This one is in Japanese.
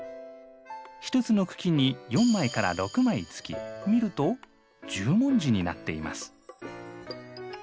１つの茎に４枚から６枚つき見ると十文字になっています。